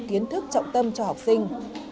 kiến thức trọng tâm cho học sinh